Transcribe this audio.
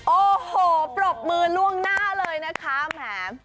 โอ้โหปรบมือล่วงหน้าเลยนะคะแหม